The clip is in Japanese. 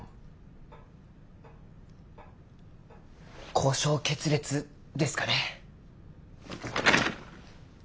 交渉決裂ですかね。